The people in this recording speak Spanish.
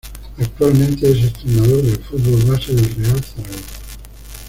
Actualmente es entrenador del fútbol base del Real Zaragoza.